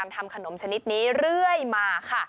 ทำขนมชนิดนี้เลยมา